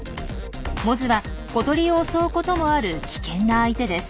モズは小鳥を襲うこともある危険な相手です。